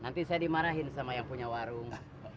nanti saya dimarahin sama yang punya warung